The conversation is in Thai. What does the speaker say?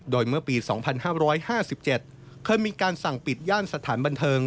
โดยเมื่อปี๒๕๕๗เคยมีการสั่งปิดย่านสถานบันเทิง